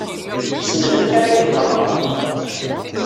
Ssnen amek ara gen tameɣra.